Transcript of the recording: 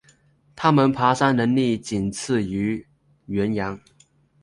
它们的爬山能力仅次于羱羊。